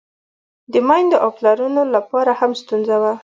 د میندو او پلرونو له پاره هم ستونزه وه.